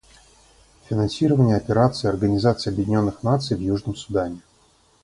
Финансирование Операции Организации Объединенных Наций в Южном Судане.